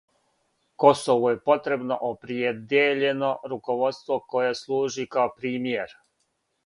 Косову је потребно опредијељено руководство које служи као примјер.